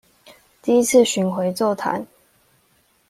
第一次巡迴座談